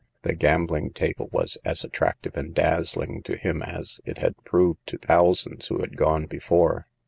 The gambling table was as attractive and dazzling to him as it had proved to thousands who had gone be fore.